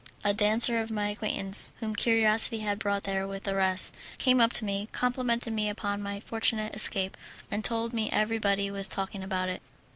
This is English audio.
A dancer of my acquaintance, whom curiosity had brought there with the rest, came up to me, complimented me upon my fortunate escape, and told me everybody was talking about it.